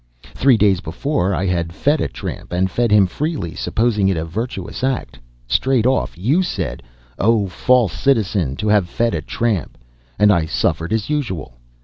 Three days before I had fed a tramp, and fed him freely, supposing it a virtuous act. Straight off you said, 'Oh, false citizen, to have fed a tramp!' and I suffered as usual.